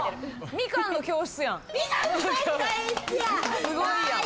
ミカンの教室やん。